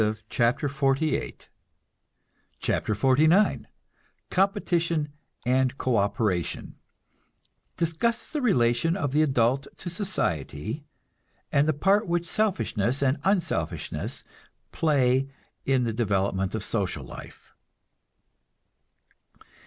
CHAPTER XLVIX COMPETITION AND CO OPERATION (Discusses the relation of the adult to society, and the part which selfishness and unselfishness play in the development of social life.)